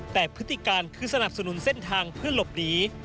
แต่พฤติการคือสนับสนุนเส้นทางเพื่อหลบหนี